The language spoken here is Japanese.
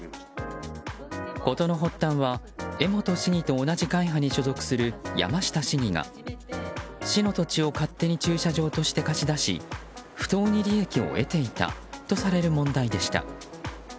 事の発端は江本市議と同じ会派に所属する山下市議が市の土地を駐車場として貸し出し不当に利益を得ていたとされる問題でした。